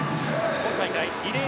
今大会、リレー